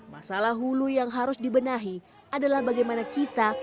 masalah hulu yang harus dibenahi adalah bagaimana kita